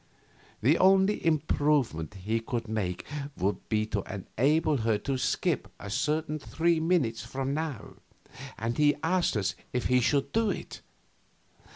The only improvement he could make would be to enable her to skip a certain three minutes from now; and he asked us if he should do it.